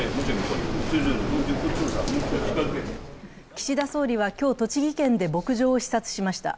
岸田総理は今日、栃木県で牧場を視察しました。